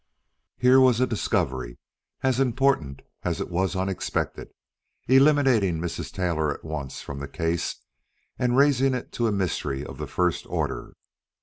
Here was a discovery as important as it was unexpected, eliminating Mrs. Taylor at once from the case and raising it into a mystery of the first order.